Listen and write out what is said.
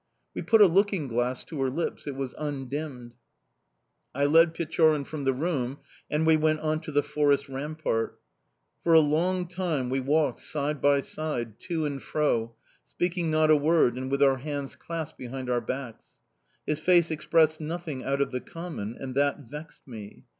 We put a looking glass to her lips it was undimmed! "I led Pechorin from the room, and we went on to the fortress rampart. For a long time we walked side by side, to and fro, speaking not a word and with our hands clasped behind our backs. His face expressed nothing out of the common and that vexed me.